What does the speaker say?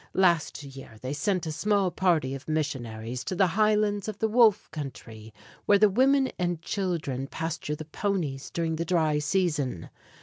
Last year they sent a small party of missionaries to the highlands of the Wolf country, where the women and children pasture the ponies during the dry season.